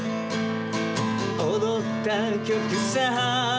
「踊った曲さ」